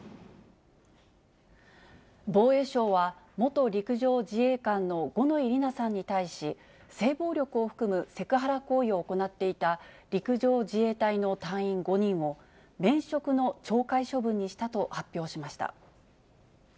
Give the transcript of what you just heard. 防衛省は、元陸上自衛官の五ノ井里奈さんに対し、性暴力を含むセクハラ行為を行っていた陸上自衛隊の隊員５人を、免職の懲戒処分にしたと発表しました。